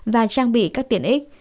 và trang bị các tiền ích